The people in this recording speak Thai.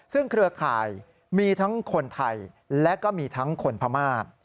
ซึ่งเครือข่ายมีทั้งคนไทยและก็มีทั้งคนพม่า